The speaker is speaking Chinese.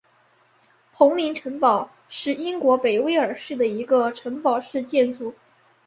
彭林城堡是英国北威尔士的一个城堡式建筑。